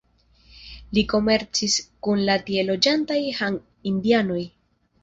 Ili komercis kun la tie loĝantaj Han-indianoj.